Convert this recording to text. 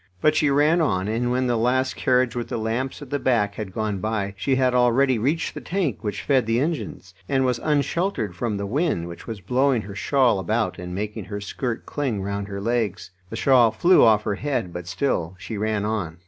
But she ran on, and when the last carriage with the lamps at the back had gone by, she had already reached the tank which fed the engines, and was unsheltered from the wind, which was blowing her shawl about and making her skirt cling round her legs. The shawl flew off her head, but still she ran on.